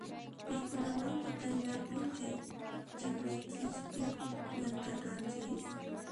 Pikunawanmi qayna p'unchay chakraykichispi llamk'arqanchis?